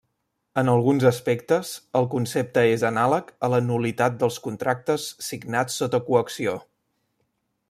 En alguns aspectes, el concepte és anàleg a la nul·litat dels contractes signats sota coacció.